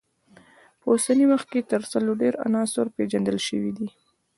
په اوسني وخت کې تر سلو ډیر عناصر پیژندل شوي دي.